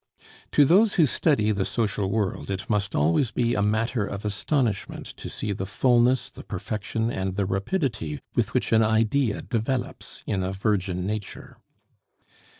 To those who study the social world, it must always be a matter of astonishment to see the fulness, the perfection, and the rapidity with which an idea develops in a virgin nature.